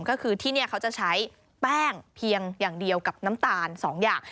ก็คือที่นี่เขาจะใช้แป้งเพียงอย่างเดียวกับน้ำตาล๒อย่าง